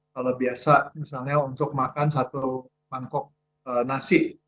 kalau biasa misalnya untuk makan satu mangkok nasi